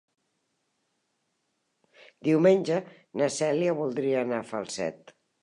Diumenge na Cèlia voldria anar a Falset.